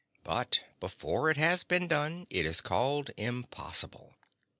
But before it has been done, it is called impossible.